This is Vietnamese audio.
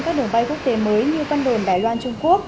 các đường bay quốc tế mới như vân đồn đài loan trung quốc